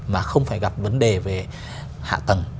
mà không phải gặp vấn đề về hạ tầng